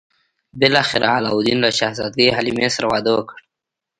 بالاخره علاوالدین له شهزادګۍ حلیمې سره واده وکړ.